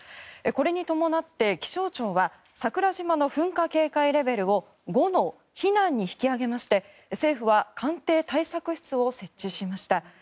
これに伴って、気象庁は桜島の噴火警戒レベルは５の避難に引き上げまして政府は官邸対策室を設置しました。